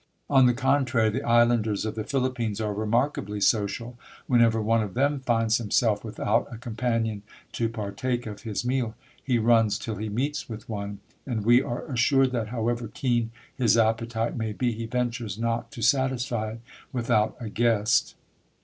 On the contrary, the islanders of the Philippines are remarkably social. Whenever one of them finds himself without a companion to partake of his meal, he runs till he meets with one; and we are assured that, however keen his appetite may be, he ventures not to satisfy it without a guest.